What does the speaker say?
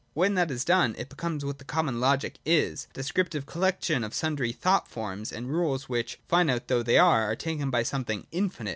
When that is done, it becomes what the common logic is, a descriptive collection of sundry thought forms and rules which, finite though they are, are taken to be some thing infinite.